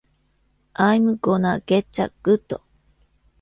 アイム・ゴナ・ゲッチャ・グッド！